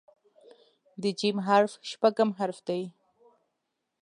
د "ج" حرف شپږم حرف دی.